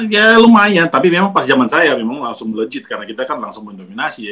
ya lumayan tapi memang pas zaman saya memang langsung melejit karena kita kan langsung mendominasi ya